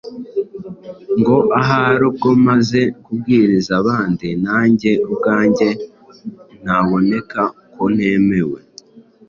ngo ahari ubwo maze kubwiriza abandi nanjye ubwanjye ntaboneka ko ntemewe